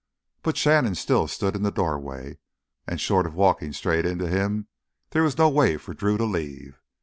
But Shannon still stood in the doorway, and short of walking straight into him there was no way for Drew to leave.